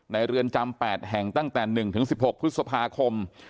เรือนจำ๘แห่งตั้งแต่๑๑๖พฤษภาคม